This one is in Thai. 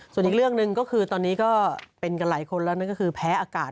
ส่วนอีกเรื่องหนึ่งก็คือตอนนี้ก็เป็นกันหลายคนแล้วนั่นก็คือแพ้อากาศ